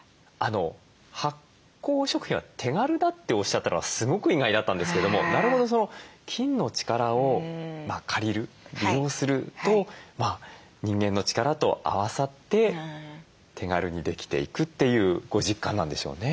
発酵食品は手軽だっておっしゃったのがすごく意外だったんですけどもなるほど菌の力を借りる利用すると人間の力と合わさって手軽にできていくというご実感なんでしょうね。